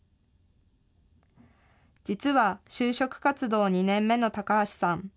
実は就職活動２年目の高橋さん。